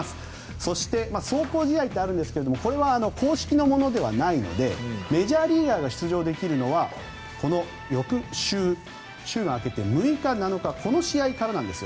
そして、壮行試合とありますがこれは公式なものではないのでメジャーリーガーが出場できるのはこの翌週週が明けて６日、７日この試合からなんですよ。